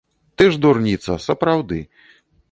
Ты ж дурніца, сапраўды.